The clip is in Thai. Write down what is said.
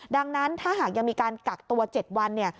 ดังนั้นถ้าหากยังมีการกักตัว๗วันเนี่ย